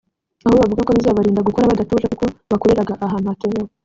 aho bavuga ko bizabarinda gukora badatuje kuko bakoreraga ahantu hatemewe